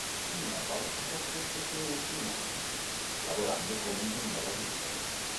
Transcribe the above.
In Nepal ha trascorso i suoi ultimi anni lavorando come ingegnere agricolo.